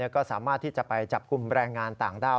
ก็สามารถที่จะไปจับกลุ่มแรงงานต่างด้าว